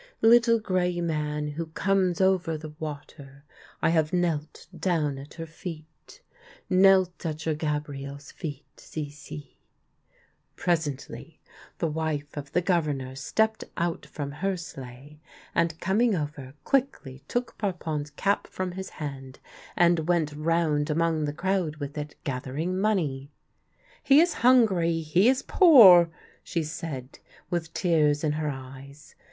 Little gray man who comes Over the water, I have knelt down at her feet, Knelt at your Gabrielle's feet — ci ci !" TIMES WERE HARD IN PONTIAC 237 Presently the wife of the governor stepped out from her sleigh, and, coming over, quickly took Parpon's cap from his hand and went round among the crowd with it, gathering money. " He is hungry, he is poor," she said with tears in her eyes.